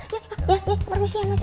ya ya ya permisi ya mas ya